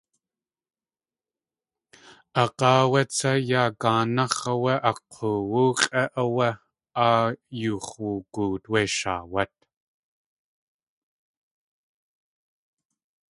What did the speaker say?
Aag̲áa áwé tsá yá gáanax̲ áwé a k̲oowú x̲ʼé áwé áa yux̲ woogoot wé shaawát.